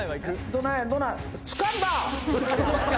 どないや？